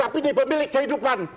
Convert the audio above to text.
tapi di pemilik kehidupan